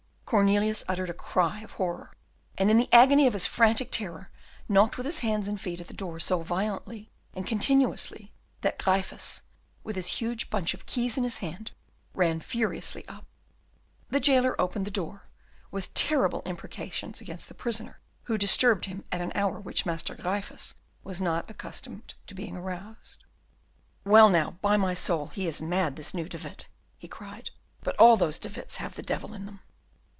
Cornelius uttered a cry of horror, and in the agony of his frantic terror knocked with his hands and feet at the door so violently and continuously, that Gryphus, with his huge bunch of keys in his hand, ran furiously up. The jailer opened the door, with terrible imprecations against the prisoner who disturbed him at an hour which Master Gryphus was not accustomed to be aroused. "Well, now, by my soul, he is mad, this new De Witt," he cried, "but all those De Witts have the devil in them."